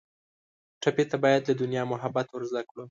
ټپي ته باید له دنیا محبت ور زده کړو.